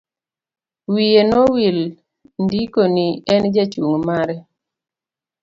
Wiye nowil ndiko ni en jachung' mare.